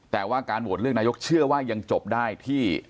แต่ว่าการโหวตเลือกนายกเชื่อว่ายังจบได้ที่